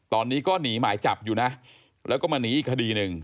ตอนนี้ก็หนีหมายจับอยู่นะแล้วก็มาหนีอีกคดีหนึ่ง